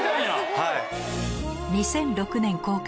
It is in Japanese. はい。